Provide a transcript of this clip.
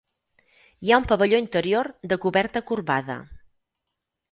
Hi ha un pavelló interior de coberta corbada.